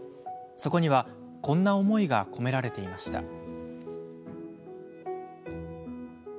そこには、こんな思いが込められていました。